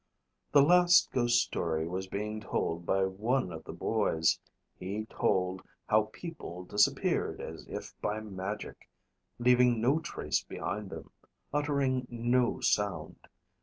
The last ghost story was being told by one of the boys. He told how people disappeared as if by magic, leaving no trace behind them, uttering no sound.